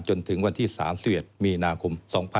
จนถึงวันที่๓๑มีนาคม๒๕๖๒